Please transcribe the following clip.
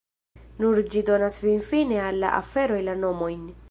Nur ĝi donas finfine al la aferoj la nomojn.